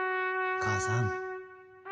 母さん。